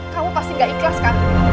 kamu pasti gak ikhlas kan